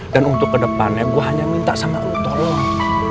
dan untuk kedepannya gue hanya minta sama lo tolong